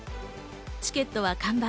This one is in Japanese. チケットは完売。